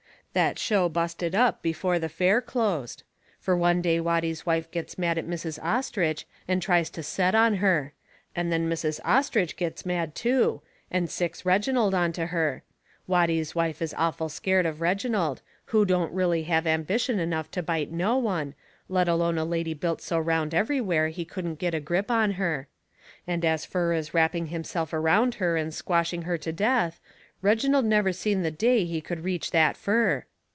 That show busted up before the fair closed. Fur one day Watty's wife gets mad at Mrs. Ostrich and tries to set on her. And then Mrs. Ostrich gets mad too, and sicks Reginald onto her. Watty's wife is awful scared of Reginald, who don't really have ambition enough to bite no one, let alone a lady built so round everywhere he couldn't of got a grip on her. And as fur as wrapping himself around her and squashing her to death, Reginald never seen the day he could reach that fur.